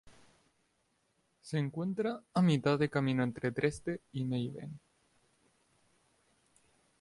Se encuentra a mitad de camino entre Dresde y Meißen.